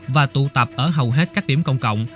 và tụ tập ở hầu hết các điểm công cộng